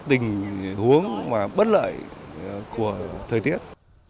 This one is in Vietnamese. các tình huống bất lợi của thời tiết